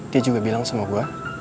dia juga bilang sama gue